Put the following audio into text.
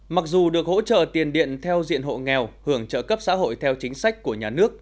mặc dù được hỗ trợ tiền điện theo diện hộ nghèo hưởng trợ cấp xã hội theo chính sách của nhà nước